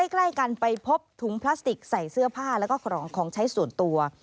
ใกล้กันไปพบถุงพลาสติกใส่เสื้อผ้าแล้วก็ของของใช้ส่วนตัว